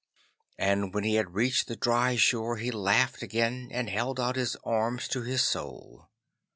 And when he had reached the dry shore he laughed again, and held out his arms to his Soul.